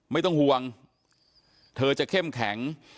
ไม่ต้องห่วงเธอจะเข้มแข็ง